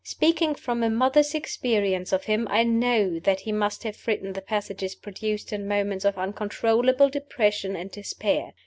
Speaking from a mother's experience of him, I know that he must have written the passages produced in moments of uncontrollable depression and despair.